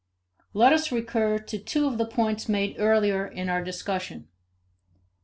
Let us recur to two of the points made earlier in our discussion.